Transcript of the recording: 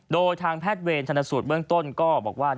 โดยทางแพทย์เวรชนสูตรเบื้องต้นก็บอกว่า